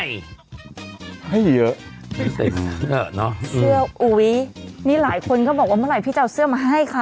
ไม่ใส่เซอร์เนาะเงินอุ๋ยนี่หลายคนก็บอกว่าเมื่อไหร่พี่เจ้าเสื้อมาให้ค่ะ